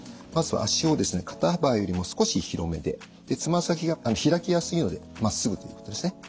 まず足を肩幅よりも少し広めでつま先が開きやすいのでまっすぐということですね。